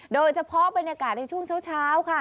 โดยเฉพาะบรรยากาศในช่วงเช้าค่ะ